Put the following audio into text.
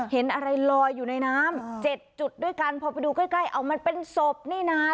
เห็นอะไรลอยอยู่ในน้ำ๗จุดด้วยกันพอไปดูใกล้เอามันเป็นศพนี่นะ